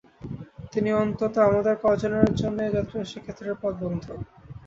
কিন্তু অন্তত আমাদের কজনের জন্যে এ-যাত্রায় সে-ক্ষেত্রের পথ বন্ধ।